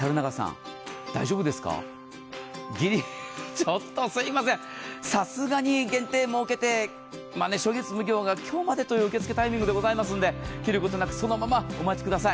大丈夫ですか、ギリギリ、ちょっとすみません、さすがに限定設けて、初月無料が今日までという受け付けタイミングでございますので切ることなく、そのままお待ちください。